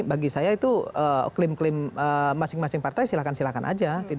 bagi saya itu klaim klaim masing masing partai silahkan silakan aja